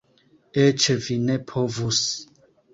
Eĉ vi ne povus!